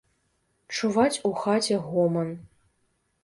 Чуваць у хаце гоман.